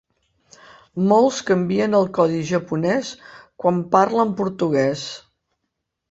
Molts canvien al codi japonès quan parlen portuguès.